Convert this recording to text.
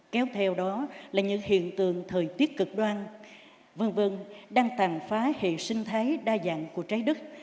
kéo theo đó là những hiện tượng thời tiết cực đoan v v đang tàn phá hệ sinh thái đa dạng của trái đất